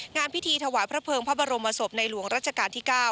งานพิธีถวายพระเภิงพระบรมศพในหลวงรัชกาลที่๙